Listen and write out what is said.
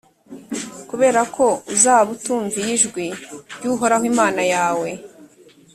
kubera ko uzaba utumviye ijwi ry’uhoraho imana yawe,